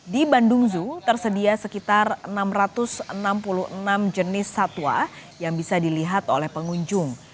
di bandung zoo tersedia sekitar enam ratus enam puluh enam jenis satwa yang bisa dilihat oleh pengunjung